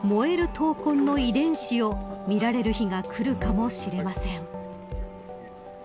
闘魂の遺伝子を見られる日が来るかもしれません。